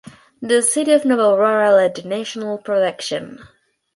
The city of Nova Aurora led the national production.